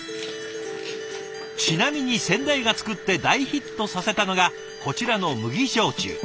ちなみに先代がつくって大ヒットさせたのがこちらの麦焼酎。